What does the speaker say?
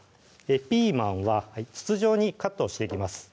ピーマンは筒状にカットをしていきます